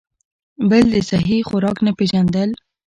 بل د سهي خوراک نۀ پېژندل ،